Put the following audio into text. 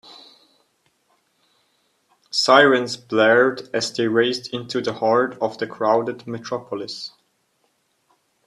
Sirens blared as they raced into the heart of the crowded metropolis.